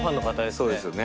そうですよね。